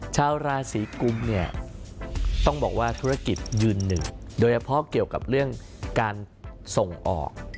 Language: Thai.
ชาวราศีกุมเนี่ยต้องบอกว่าธุรกิจยืนหนึ่งโดยเฉพาะเกี่ยวกับเรื่องการส่งออก